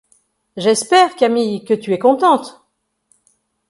J’espère, Camille, que tu es contente ?